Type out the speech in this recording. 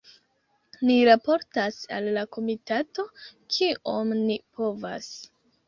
Ni raportas al la komitato, kiom ni povas.